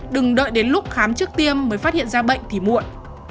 đừng đợi đến lúc khám trước tiêm mới phát hiện ra bệnh thì muộn